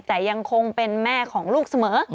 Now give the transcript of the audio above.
แต่ยังคงเป็นแม่ของลูกเสมอ